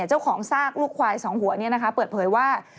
เจ้าของซากลูกควายสองหัวเปิดเผยว่า